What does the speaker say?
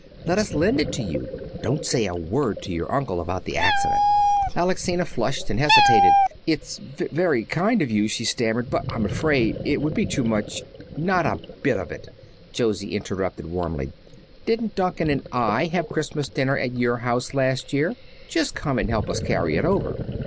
Let us lend it to you. Don't say a word to your uncle about the accident." Alexina flushed and hesitated. "It's very kind of you," she stammered, "but I'm afraid it would be too much " "Not a bit of it," Josie interrupted warmly. "Didn't Duncan and I have Christmas dinner at your house last year? Just come and help us carry it over."